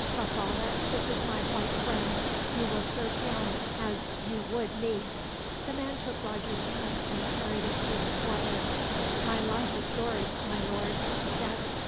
"Bathalda, this is my white friend. You will serve him as you would me." The man took Roger's hand, and carried it to his forehead. "My life is yours, my lord," he said.